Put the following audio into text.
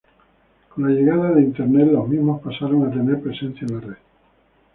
Con la llegada de internet, los mismos pasaron a tener presencia en la red.